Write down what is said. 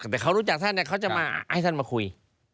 แต่เขารู้จักท่านเขาจะมาให้ท่านมาคุย